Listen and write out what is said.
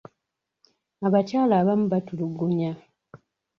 Abakyala abamu batulugunya.